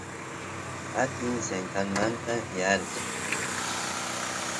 atin senqanmanta yaarchay